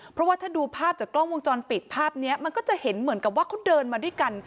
เพราะว่าถ้าดูภาพจากกล้องวงจรปิดภาพนี้มันก็จะเห็นเหมือนกับว่าเขาเดินมาด้วยกัน